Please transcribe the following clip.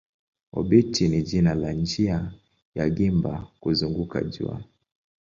Obiti ni jina la njia ya gimba kuzunguka jua.